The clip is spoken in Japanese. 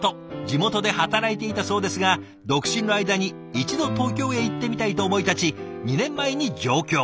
地元で働いていたそうですが独身の間に一度東京へ行ってみたいと思い立ち２年前に上京。